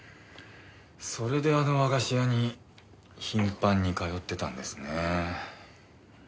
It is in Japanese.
それであの和菓子屋に頻繁に通ってたんですね。